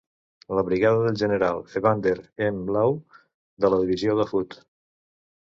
La brigada del general Evander M. Law de la divisió de Hood.